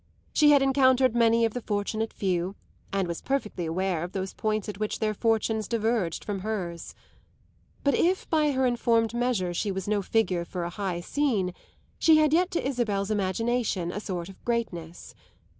She had encountered many of the fortunate few and was perfectly aware of those points at which their fortune differed from hers. But if by her informed measure she was no figure for a high scene, she had yet to Isabel's imagination a sort of greatness.